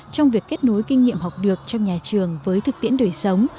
trong việc kết nối kinh nghiệm học được trong nhà trường với thực tiễn đời sống